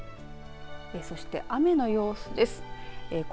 そして雨の様子です。